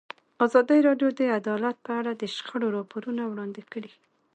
ازادي راډیو د عدالت په اړه د شخړو راپورونه وړاندې کړي.